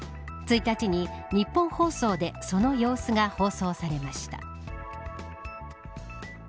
１日に、ニッポン放送でその様子が放送されました。